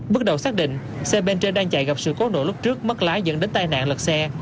bước đầu xác định xe bên trên đang chạy gặp sự cố nổ lúc trước mất lái dẫn đến tai nạn lật xe